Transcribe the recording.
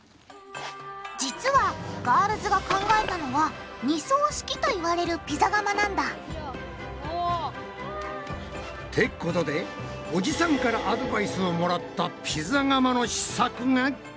実はガールズが考えたのは「二層式」と言われるピザ窯なんだってことでおじさんからアドバイスをもらったピザ窯の試作がこれだ！